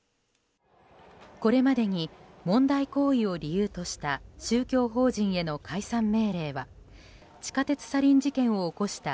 これまでに問題行為を理由とした宗教法人への解散命令は地下鉄サリン事件を起こした